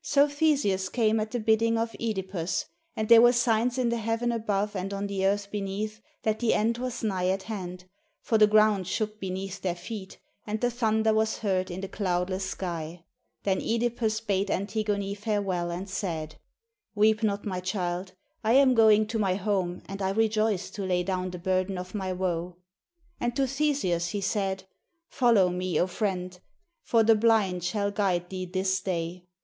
So Theseus came at the bidding of QEdi pus; and there were signs in the heaven above and on the earth beneath that the end was nigh at hand, for the ground shook beneath their feet, and the thunder was heard in the cloudless sky. Then (Edipus bade An tigone farewell, and said, "Weep not, my child; I am going to my home, and I rejoice to lay down the burden of my woe." And to Theseus he said, "Follow me, O friend, for the blind shall guide thee this day.